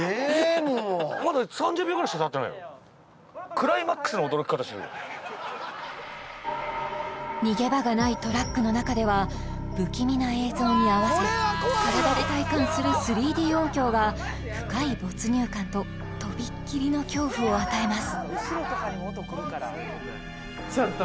もう逃げ場がないトラックの中では不気味な映像に合わせ体で体感する３Ｄ音響が深い没入感ととびっきりの恐怖を与えます